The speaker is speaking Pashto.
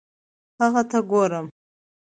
هغه ته ګورم